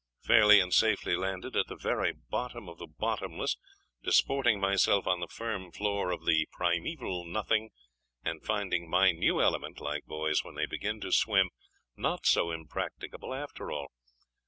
'Fairly and safely landed at the very bottom of the bottomless; disporting myself on the firm floor of the primeval nothing, and finding my new element, like boys when they begin to swim, not so impracticable after all.